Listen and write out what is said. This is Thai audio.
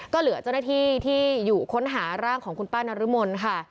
ก็เหลือเจ้าหน้าที่ที่อยู่ค้นหาร่างของคุณป้านรมนค่ะ